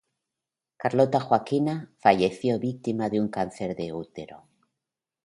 Carlota Joaquina falleció víctima de un cáncer de útero.